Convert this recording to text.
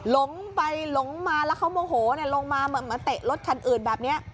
ลงไปลงมาและเขาโมโหลลงมามาเตะรถชั้นอื่นแบบเนี้ย